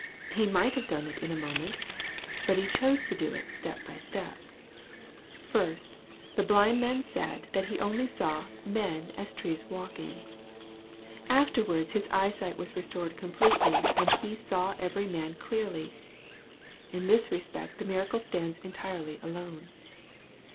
He might have done it in a moment, but He chose to do it step by step. First the blind man said 162 EXPOSITORY THOUGHTS. that he only saw " men as trees walking/' Afterwards his eyesight was restored completely, and he " saw every man clearly." In this respect the miracle stands entirely alone.